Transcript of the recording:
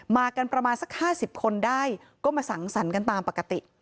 มากันประมาณสัก๕๐คนได้ก็มาสังสรรค์กันตามปกติ